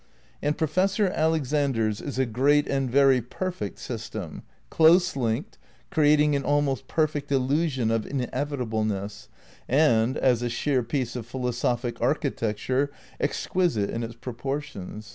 And Professor Alexander's is a great and very perfect system, close linked, creating an almost perfect illu sion of inevitableness, and, as a sheer piece of philo sophic architecture, exquisite in its proportions.